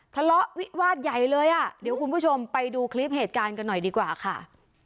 ทะเลาะวิวาสใหญ่เลยอ่ะเดี๋ยวคุณผู้ชมไปดูคลิปเหตุการณ์กันหน่อยดีกว่าค่ะ